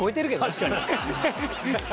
確かに。